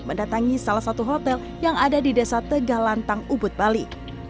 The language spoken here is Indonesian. mendatangi salah satu hotel yang ada di desa tegalantang ubud bali